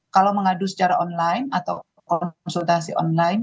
kalau mengadu secara online atau konsultasi online